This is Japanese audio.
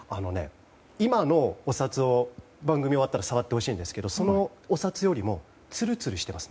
今のお札を番組が終わったら触ってほしいんですけどそのお札よりもツルツルしてます